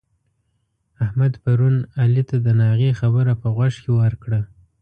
احمد پرون علي ته د ناغې خبره په غوږ کې ورکړه.